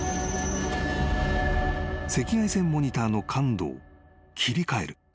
［赤外線モニターの感度を切り替える］